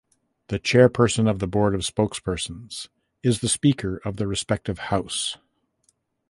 The Chairperson of the Board of Spokespersons is the Speaker of the respective House.